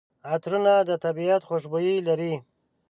عطرونه د طبیعت خوشبويي لري.